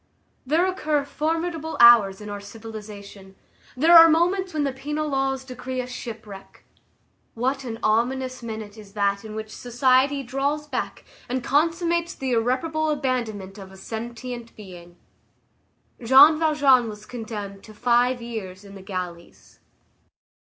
There occur formidable hours in our civilization; there are moments when the penal laws decree a shipwreck. What an ominous minute is that in which society draws back and consummates the irreparable abandonment of a sentient being! Jean Valjean was condemned to five years in the galleys.